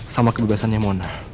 sama kebebasannya mona